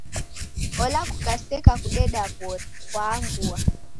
Ola kukaseka kudeda w'ori kwaangua.